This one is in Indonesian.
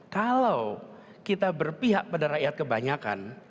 kalau kita berpihak pada rakyat kebanyakan